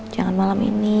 jangan malam ini